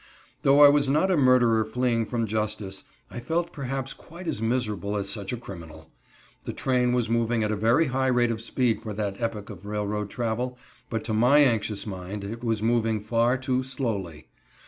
Though I was not a murderer fleeing from justice, I felt perhaps quite as miserable as such a criminal. The train was moving at a very high rate of speed for that epoch of railroad travel, but to my anxious mind it was moving far too slowly.